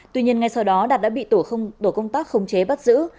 tuy nhiên ngay sau đó đạt đã bị tổ công tác khống chế bắt giữ